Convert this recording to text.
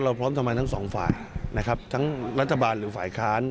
เราพร้อมทำงานทั้ง๒ฝ่ายทั้งรัฐบาลหรือฝ่ายค้าน